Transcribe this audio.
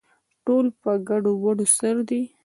ټول په ګډووډو سر دي